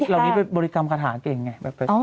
เรานี้บริกรรมคาถาเก่งไง